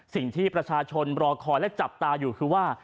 สิ่งที่ประชาชนรอคอยและจับตาอยู่คือว่า